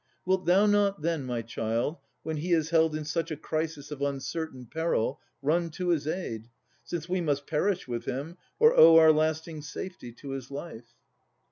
Wilt thou not then, my child, when he is held In such a crisis of uncertain peril, Run to his aid? since we must perish with him, Or owe our lasting safety to his life.